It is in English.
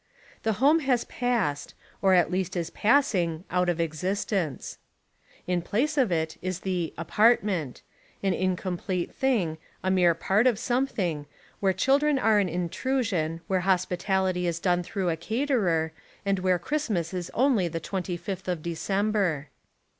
The home has passed, or at least is passing out of existence. In place of it is the "apartment" — an incom plete thing, a mere part of something, where children are an intrusion, where hospitality is done through a caterer, and where Christmas is only the twenty fifth of December.